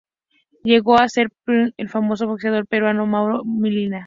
Llegó a ser "sparring", del famoso boxeador peruano, Mauro Mina.